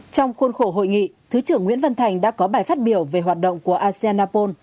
trong khuôn khổ hội nghị thứ trưởng nguyễn văn thành đã có bài phát biểu về hoạt động của asean apol